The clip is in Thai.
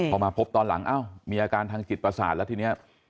พอมาพบตอนหลังอ้าวมีอาการทางจิตประสาทแล้วทีนี้